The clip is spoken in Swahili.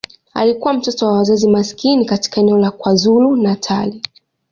Alikuwa mtoto wa wazazi maskini katika eneo la KwaZulu-Natal.